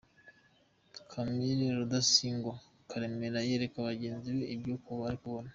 Camile Rudasingwa Karemera yereka bagenzi be ibyo ari kubona.